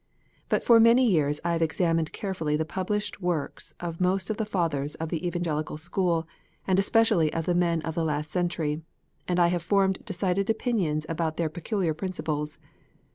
But for many years I have examined carefully the published works of most of the Fathers of the Evangelical school, and especially of the men of the last century, and I have formed decided opinions about their peculiar principles.